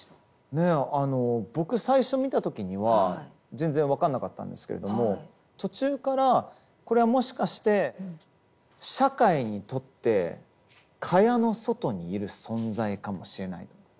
ねえあの僕最初見た時には全然分かんなかったんですけれども途中からこれはもしかして社会にとって蚊帳の外にいる存在かもしれないと。